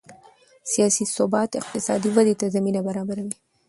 سیاسي ثبات اقتصادي ودې ته زمینه برابروي